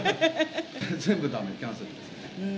全部だめ、キャンセルですね。